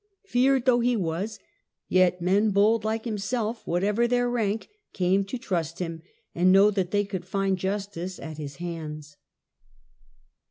Feared though he was, yet men bold like himself, whatever their rank, came to trust him and know that they could find justice at his hands.